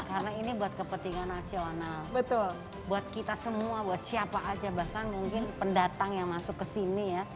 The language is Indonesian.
karena ini buat kepentingan nasional buat kita semua buat siapa aja bahkan mungkin pendatang yang masuk kesini ya